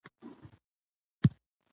د قانون پوهاوی د شخړو مخنیوی کوي.